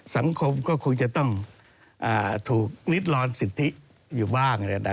สังคมก็คงจะต้องถูกนิดร้อนสิทธิอยู่บ้าง